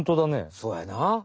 そうやな！